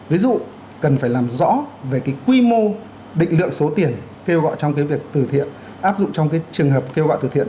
ví dụ cần phải làm rõ về cái quy mô định lượng số tiền kêu gọi trong cái việc tử thiện áp dụng trong cái trường hợp kêu gọi từ thiện